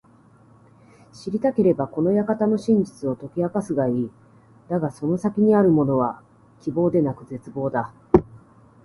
知りたければ、この館の真実を解き明かすがいい。だがその先にあるものは…希望ではなく絶望だ。